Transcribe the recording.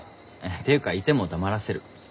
っていうかいても黙らせる。